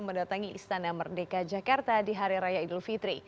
mendatangi istana merdeka jakarta di hari raya idul fitri